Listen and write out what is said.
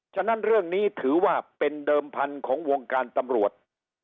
ฉะนั้นเรื่องนี้ถือว่าเป็นเดิมพันธุ์ของวงการตำรวจ